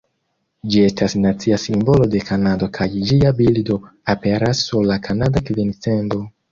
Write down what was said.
Ĝi estas nacia simbolo de Kanado kaj ĝia bildo aperas sur la kanada kvin-cendo.